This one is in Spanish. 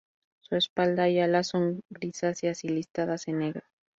Su espalda y alas son grisáceas y listadas en negro.